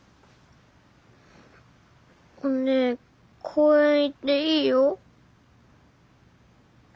おねえ公園行っていいよ。